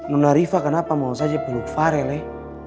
nona riva kenapa mau saja peluk farel ya